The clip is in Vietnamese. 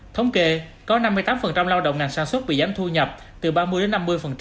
thống kê có năm mươi tám lao động ngành sản xuất bị giảm thu nhập từ ba mươi đến năm mươi